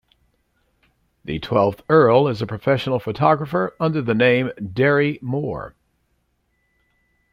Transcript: The twelfth Earl is a professional photographer under the name "Derry Moore".